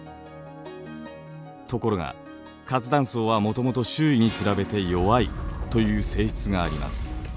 ところが活断層はもともと周囲に比べて弱いという性質があります。